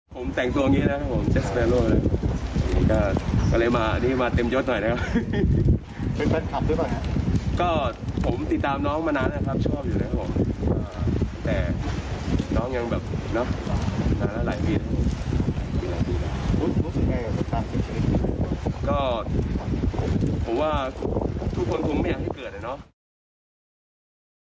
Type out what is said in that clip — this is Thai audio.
ผมแต่งตัวงี้นะครับผมก็เลยมานี่มาเต็มโยชน์หน่อยนะครับก็ผมติดตามน้องมานานนะครับชอบอยู่นะครับผมแต่น้องยังแบบเนาะก็ผมว่าทุกคนไม่อยากให้เกิดเนาะ